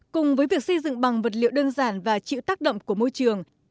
cùng với việc xây dựng bằng vật liệu đơn giản và chịu tác động của môi trường